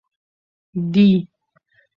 دي